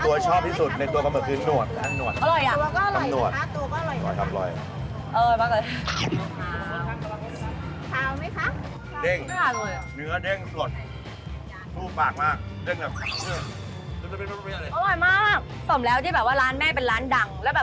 เคยมีลูกค้าแบบว่าไม่รอย่างแล้วแต่จะเอาไปย่างเองแต่